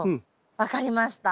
分かりました。